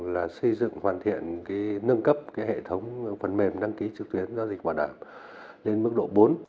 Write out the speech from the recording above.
là xây dựng hoàn thiện nâng cấp hệ thống phần mềm đăng ký trực tuyến giao dịch bảo đảm lên mức độ bốn